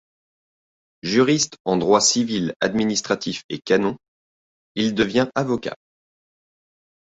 Juriste en droit civil, administratif et canon, il devient avocat.